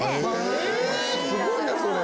へぇすごいなそれ。